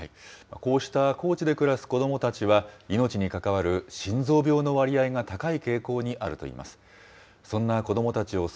こうした高地で暮らす子どもたちは、命に関わる心臓病の割合が高い傾向にあるといいます。